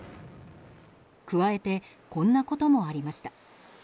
加えてこんなこともありました。